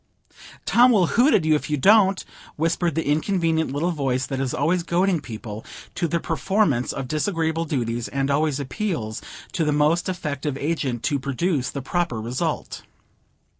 "Tom will hoot at you if you don't," whispered the inconvenient little voice that is always goading people to the performance of disagreeable duties, and always appeals to the most effective agent to produce the proper result.